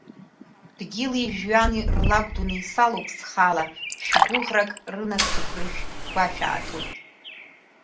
Дгьыли-жәҩани рлакәдунеи салоуп са схала, шә-гәыӷрак рынасыԥрышә-гәашәатуеит!